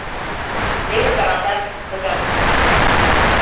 — Теве карандаш, Цыган! — мане.